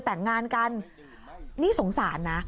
แต่งงานกันนี่สงสารนะ